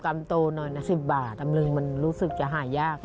ำโตหน่อยนะ๑๐บาทกำนึงมันรู้สึกจะหายาก